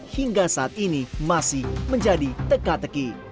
hingga saat ini masih menjadi teka teki